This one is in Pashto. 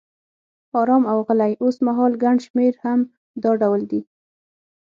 آرام او غلی، اوسمهال ګڼ شمېر هم دا ډول دي.